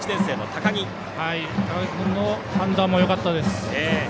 高木君の判断もよかったです。